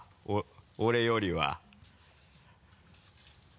俺よりは。